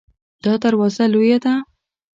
دا دروازه لویه ده